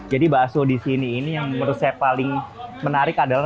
jadi bakso disini ini yang menurut saya paling menarik adalah